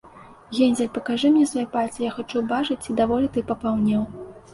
- Гензель, пакажы мне свае пальцы, я хачу ўбачыць, ці даволі ты папаўнеў